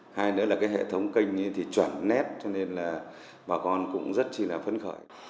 hai nữa là hệ thống kênh chuẩn nét cho nên bà con cũng rất phấn khởi